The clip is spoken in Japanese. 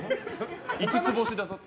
５つ星だぞって。